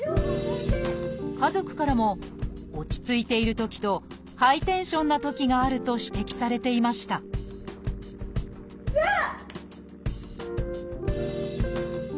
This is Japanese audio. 家族からも落ち着いているときとハイテンションなときがあると指摘されていましたじゃあ！